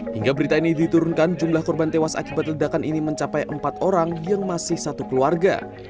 hingga berita ini diturunkan jumlah korban tewas akibat ledakan ini mencapai empat orang yang masih satu keluarga